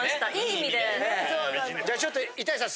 じゃあちょっと板谷さん